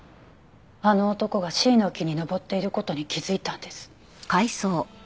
あの男がシイの木に登っている事に気づいたんです。